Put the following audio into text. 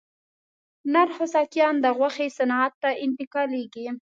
نر خوسکایان د غوښې صنعت ته انتقالېږي.